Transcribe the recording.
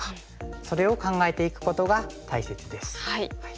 それを考えていくことが大切です。